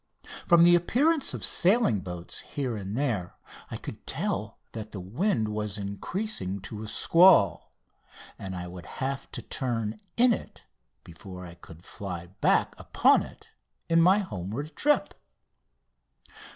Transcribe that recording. From the appearance of sailing boats here and there I could tell that the wind was increasing to a squall, and I would have to turn in it before I could fly back upon it in my homeward trip.